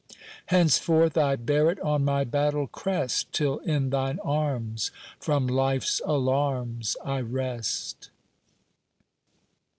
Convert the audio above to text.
Henceforth I bear it on my battle crest, Till in thine arms from life's alarms I rest.